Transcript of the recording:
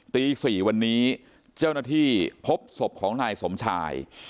ตี๔วันนี้เจ้าหน้าที่พบศพของนายสมชาย